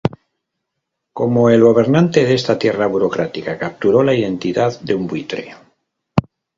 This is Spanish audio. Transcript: Como el gobernante de esta tierra burocrática, capturó la identidad de un buitre.